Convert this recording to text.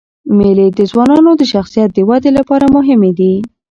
مېلې د ځوانانو د شخصیت د ودي له پاره مهمي دي.